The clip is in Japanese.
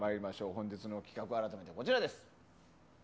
本日の企画、こちらです。